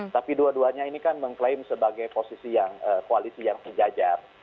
tapi dua duanya ini kan mengklaim sebagai posisi yang koalisi yang sejajar